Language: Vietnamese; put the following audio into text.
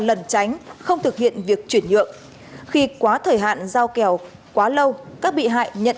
lần tránh không thực hiện việc chuyển nhượng khi quá thời hạn giao kèo quá lâu các bị hại nhận